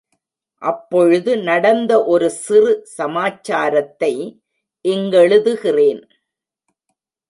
அப்பொழுது நடந்த ஒரு சிறு சமாச்சாரத்தை இங்கெழுதுகிறேன்.